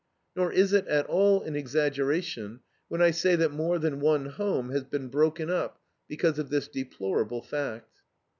Nor is it at all an exaggeration when I say that more than one home has been broken up because of this deplorable fact.